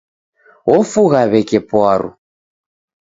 Ofugha w'eke pwaru.